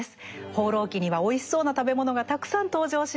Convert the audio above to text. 「放浪記」にはおいしそうな食べ物がたくさん登場します。